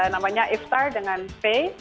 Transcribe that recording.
namanya iftar dengan faye